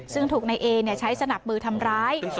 ซึ่งถูกนายเอใช้สนับมือทำร้าย